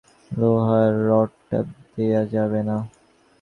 লোহার রাডটা দেয়া যাবে না।